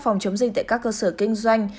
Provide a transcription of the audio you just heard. phòng chống dịch tại các cơ sở kinh doanh